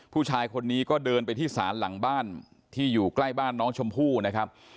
ผู้ชายคนนี้ก็เดินไปที่ศาลหลังบ้านที่อยู่ใกล้บ้านน้องชมพู่นะครับ